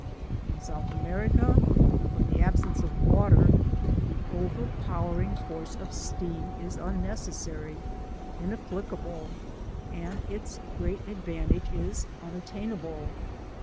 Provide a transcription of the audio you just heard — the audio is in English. In South America, from the absence of water, the overpowering force of steam is unnecessary, inapplicable, and its great advantage is unattainable.